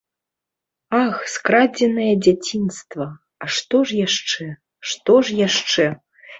Ах, скрадзенае дзяцінства, а што ж яшчэ, што ж яшчэ!